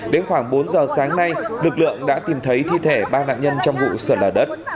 đến khoảng bốn giờ sáng nay lực lượng đã tìm thấy thi thể ba nạn nhân trong vụ sạt lở đất